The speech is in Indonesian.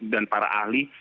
dan para ahli